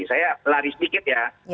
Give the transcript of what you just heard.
saya lari sedikit ya